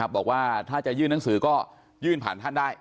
บอกว่าถ้าจะยื่นหนังสือก็ยื่นผ่านท่านได้